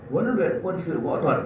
huấn luyện quân sự võ thuật